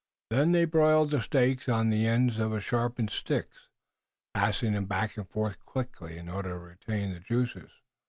Then they broiled the steaks on the ends of sharpened sticks, passing them back and forth quickly, in order to retain the juices.